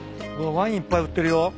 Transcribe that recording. ワインいっぱい売ってるよ。